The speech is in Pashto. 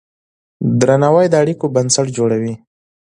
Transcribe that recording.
درناوی د اړیکو بنسټ جوړوي.